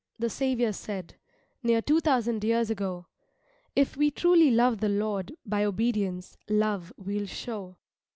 the Saviour said, Near two thousand years ago; If we truly love the Lord, By obedience, love we'll show.